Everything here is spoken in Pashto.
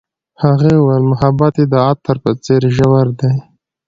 هغې وویل محبت یې د عطر په څېر ژور دی.